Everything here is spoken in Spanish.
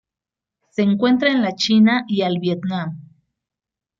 Se encuentra en la China y al Vietnam.